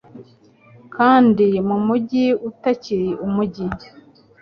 Kandi mumujyi utakiri umujyi.